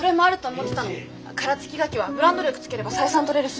殻付きガキはブランド力つければ採算取れるし！